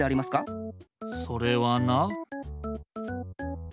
それはな。